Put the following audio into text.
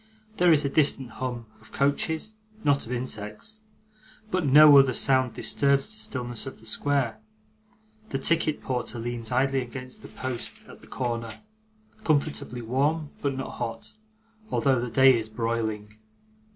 There is a distant hum of coaches, not of insects but no other sound disturbs the stillness of the square. The ticket porter leans idly against the post at the corner: comfortably warm, but not hot, although the day is broiling.